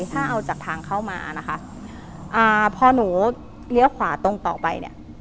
ถ้าเอาจากทางเข้ามานะคะอ่าพอหนูเลี้ยวขวาตรงต่อไปเนี่ย